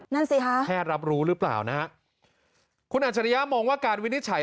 นั่นสิคะแพทย์รับรู้หรือเปล่านะฮะคุณอัจฉริยะมองว่าการวินิจฉัย